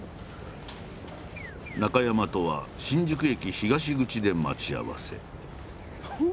中山とは新宿駅東口で待ち合わせ。